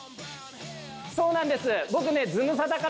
そうなんです僕ね。